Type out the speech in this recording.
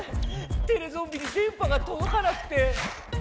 テレゾンビに電波がとどかなくて。